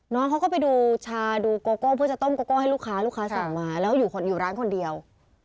น้องเขาก็ไปดูชาดูโกโก้เพื่อจะต้มโกโก้ให้ลูกค้าลูกค้าสั่งมาแล้วอยู่ร้านคนเดียว